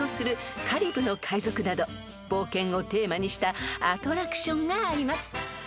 ［冒険をテーマにしたアトラクションがあります］